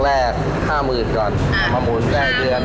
แรกค่าหมื่นก่อนมาหมุนแปลกเดือน